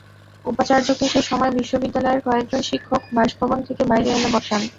উপাচার্যকে সে সময় বিশ্ববিদ্যালয়ের কয়েকজন শিক্ষক বাসভবন থেকে বাইরে এনে বসান।